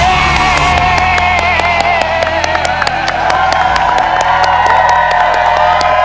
ถูกครับ